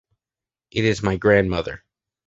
It is my grandmother.